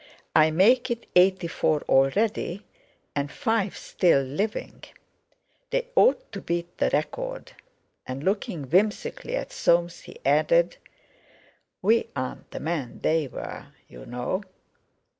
I make it eighty four already, and five still living. They ought to beat the record;" and looking whimsically at Soames, he added: "We aren't the men they were, you know."